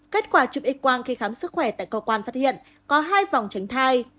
kết quả chụp x quang khi khám sức khỏe tại cơ quan phát hiện có hai vòng tránh thai